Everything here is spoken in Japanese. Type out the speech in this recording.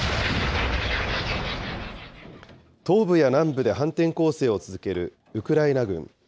東部や南部で反転攻勢を続けるウクライナ軍。